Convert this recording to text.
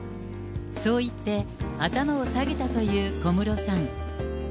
そう言って、頭を下げたという小室さん。